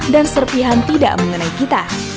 dan serpihan tidak mengenai kita